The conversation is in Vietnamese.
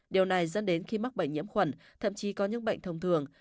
điều này dẫn đến khi mắc bệnh nhiễm khuẩn thậm chí có những bệnh thông thường